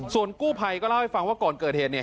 ส่วนกู้ภัยก็เล่าให้ฟังว่าก่อนเกิดเหตุเนี่ย